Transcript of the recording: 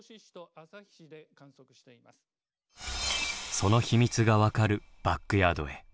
その秘密が分かるバックヤードへ。